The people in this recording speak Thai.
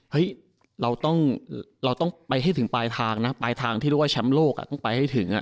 เราต้องเราต้องไปให้ถึงปลายทางนะปลายทางที่เรียกว่าแชมป์โลกต้องไปให้ถึง